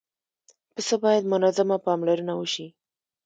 پسه باید منظمه پاملرنه وشي.